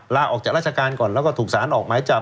ลากออกจากราชการก่อนถูกสารออกไหมจับ